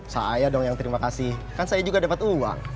saya dong yang terima kasih kan saya juga dapat uang